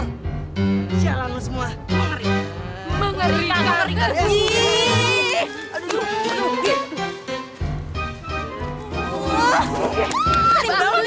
insya allah lo semua mengerikan